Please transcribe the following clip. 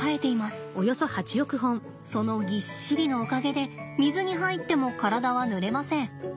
そのぎっしりのおかげで水に入っても体はぬれません。